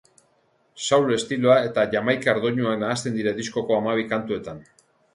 Soul estiloa eta jamaikar doinuak nahasten dira diskoko hamabi kantuetan.